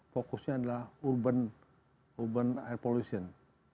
fokusnya adalah urban air polution